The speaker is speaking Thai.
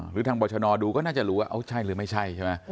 หรือทางบรชนดูก็น่าจะรู้ว่าใช่หรือไม่ใช่ใช่ไหม